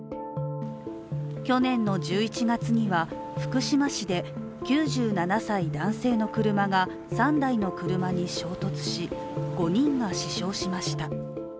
去年の１１月には福島市で９７歳男性の車が３台の車に衝突し、５人が死傷しました。